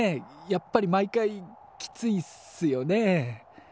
やっぱり毎回きついっすよね？